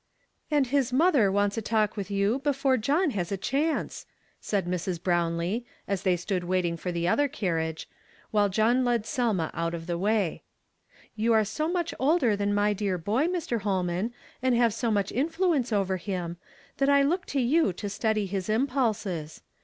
"And his mother wants a talk with you, before John has a cliance," said Mrs. Brownlee, as they stood waiting fur the other carriage, while John "THEY HAVE TAUGHT THEIR TONGUE.'* 197 f..; led Selma out of the way. "You are so much older than iny dear boy, Mr. Ilolman, and have so much influence over him, that I look to you to steady his impulses.